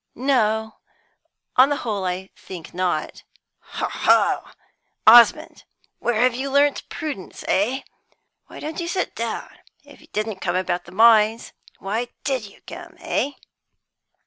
"No; on the whole I think not." "Ho, ho, Osmond, where have you learnt prudence, eh? Why don't you sit down? If you didn't come about the mines, why did you come, eh?"